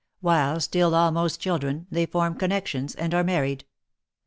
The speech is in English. While still almost children, they form connexions, and are married.